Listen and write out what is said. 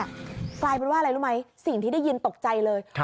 กลายเป็นว่าอะไรรู้ไหมสิ่งที่ได้ยินตกใจเลย